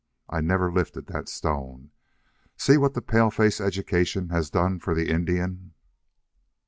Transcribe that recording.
I never lifted that stone. See what the pale face education has done for the Indian!"